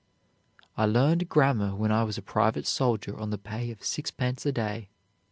"I learned grammar when I was a private soldier on the pay of sixpence a day.